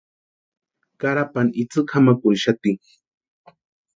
Carapani itsï kʼamakurhixati.